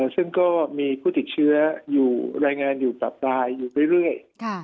ซึ่งก็มีผู้ติดเชื้ออยู่รายงานอยู่ตับรายอยู่เรื่อย